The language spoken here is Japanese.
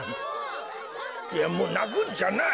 いやもうなくんじゃない。